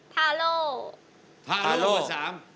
บอส